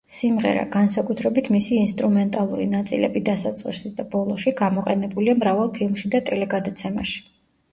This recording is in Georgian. სიმღერა, განსაკუთრებით მისი ინსტრუმენტალური ნაწილები დასაწყისში და ბოლოში, გამოყენებულია მრავალ ფილმში და ტელეგადაცემაში.